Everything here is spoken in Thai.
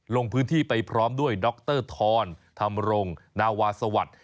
ลงพื้นที่ไปพร้อมด้วยด็อกเตอร์ทอนธรรมรงค์นาวาสวรรค์